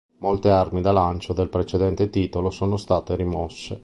Molte armi da lancio del precedente titolo sono state rimosse.